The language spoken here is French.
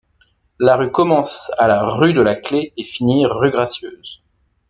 La rue commence à la rue de la Clef et finit rue Gracieuse.